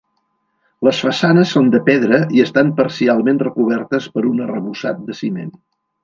Les façanes són de pedra i estan parcialment recobertes per un arrebossat de ciment.